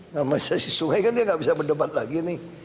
nama saya si sungai kan dia nggak bisa berdebat lagi nih